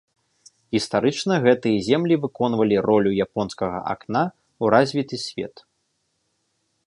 Гістарычна гэтыя землі выконвалі ролю японскага акна ў развіты свет.